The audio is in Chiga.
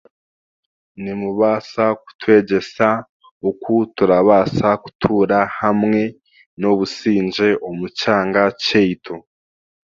Nimubaasa kutwegyesa oku turabaasa kutuura hamwe n'obusingye omu kyanga kyaitu